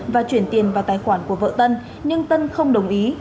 và chuyển tiền vào tài khoản của vợ tân nhưng tân không đồng ý